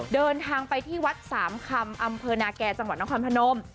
เดินทางไปที่วัดสามคำอำเภอนาแก่จังหวัดนครพนม